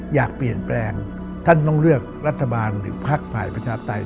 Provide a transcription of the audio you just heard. อยากเปลี่ยนแปลงท่านต้องเลือกรัฐบาลหรือภักดิ์ฝ่ายประชาปไตย